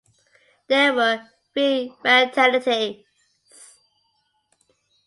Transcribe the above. There were three fatalities.